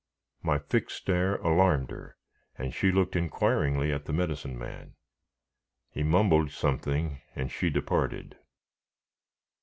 My fixed stare alarmed her, and she looked inquiringly at the Medicine Man. He mumbled something, and she departed.